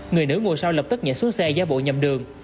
người nữ ngồi sau lập tức nhảy xuống xe ra bộ nhầm đường